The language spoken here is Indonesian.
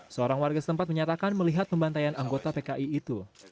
seorang warga setempat menyatakan melihat pembantaian anggota pki itu